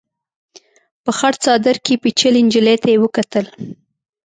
په خړ څادر کې پيچلې نجلۍ ته يې وکتل.